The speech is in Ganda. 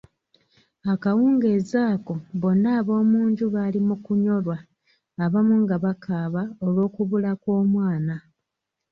Akawungezi ako bonna ab'omunju bali mu kunnyolwa, abamu nga bakaaba olw'okubula kw'omwana.